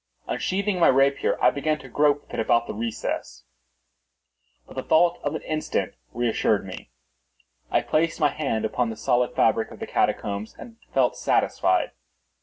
Unsheathing my rapier, I began to grope with it about the recess; but the thought of an instant reassured me. I placed my hand upon the solid fabric of the catacombs, and felt satisfied.